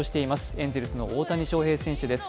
エンゼルスの大谷翔平選手です。